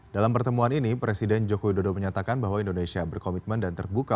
dalam pertemuan ini presiden joko widodo menyatakan bahwa indonesia berkomitmen dan terbuka